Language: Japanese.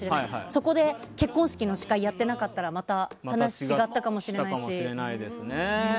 そこで結婚式の司会をやってなかったらまた話が違ったかもしれないし。